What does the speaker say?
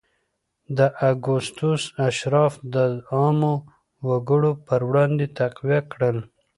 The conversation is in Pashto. اګوستوس اشراف د عامو وګړو پر وړاندې تقویه کړل.